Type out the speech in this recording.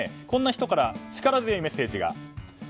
こんな人から力強いメッセージが。